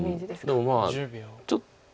でもまあちょっと。